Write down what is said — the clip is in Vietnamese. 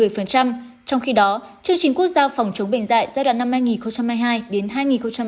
trong khi đó chương trình quốc gia phòng chống bệnh dạy giai đoạn năm hai nghìn hai mươi hai đến hai nghìn ba mươi